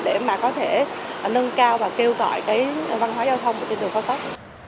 để có thể nâng cao và kêu gọi văn hóa giao thông trên đường cao tốc